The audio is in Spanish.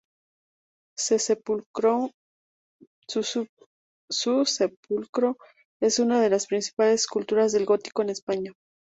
Su sepulcro es una de las principales esculturas del gótico en España.